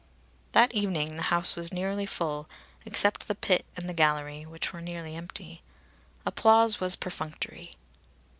That evening the house was nearly full, except the pit and the gallery, which were nearly empty. Applause was perfunctory.